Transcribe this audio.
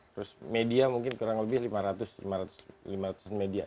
terus media mungkin kurang lebih lima ratus media